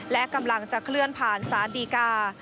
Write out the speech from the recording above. และกำลังจะเคลื่อนผ่านสารดีกา